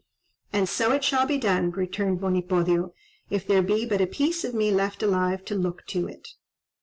'" "And so shall it be done," returned Monipodio, "if there be but a piece of me left alive to look to it."